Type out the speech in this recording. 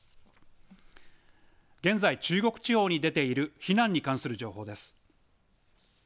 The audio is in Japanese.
現在、中国地方に出ている避難に関する情報です。